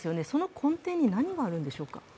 その根底に何があるんでしょうか？